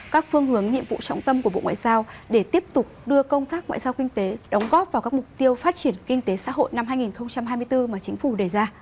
các phương hướng nhiệm vụ trọng tâm của bộ ngoại giao để tiếp tục đưa công tác ngoại giao kinh tế đóng góp vào các mục tiêu phát triển kinh tế xã hội năm hai nghìn hai mươi bốn mà chính phủ đề ra